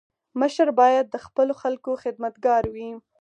مشر باید د خپلو خلکو خدمتګار وي.